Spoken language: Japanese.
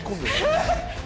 えっ！